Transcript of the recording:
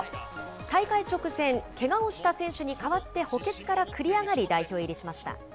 大会直前、けがをした選手に代わって、補欠から繰り上がり、代表入りしました。